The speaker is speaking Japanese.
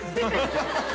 ハハハ